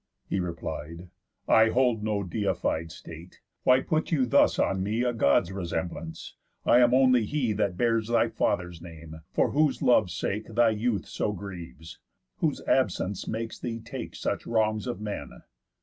He replied; "I hold No deified state. Why put you thus on me A God's resemblance? I am only he That bears thy father's name; for whose lov'd sake Thy youth so grieves, whose absence makes thee take Such wrongs of men."